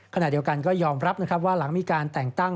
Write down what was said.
ขณะเดียวกันก็ยอมรับนะครับว่าหลังมีการแต่งตั้ง